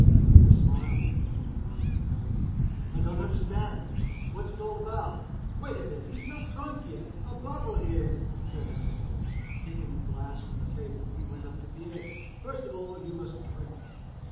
Pierre smiled, looking about him merrily. "I don't understand. What's it all about?" "Wait a bit, he is not drunk yet! A bottle here," said Anatole, and taking a glass from the table he went up to Pierre. "First of all you must drink!"